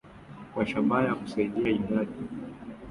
kwa shabaha ya kusaidia idadi kubwa ya wananchi waliokuwa bila kazi